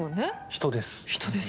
人です。